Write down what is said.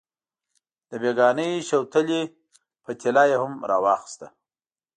د بېګانۍ شوتلې پتیله یې هم راواخیسته.